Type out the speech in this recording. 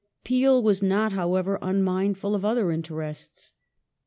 The Bud Pee\ was not, however, unmindful of other interests.